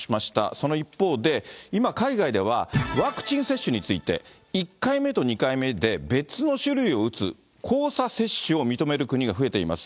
その一方で、今、海外ではワクチン接種について、１回目と２回目で、別の種類を打つ、交差接種を認める国が増えています。